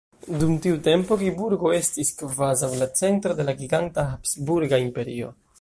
Dum tiu tempo Kiburgo estis kvazaŭ la centro de la giganta habsburga imperio.